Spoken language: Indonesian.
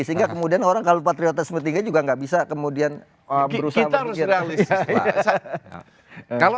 sehingga kemudian orang kalau patriotisme tinggi juga tidak bisa kemudian berusaha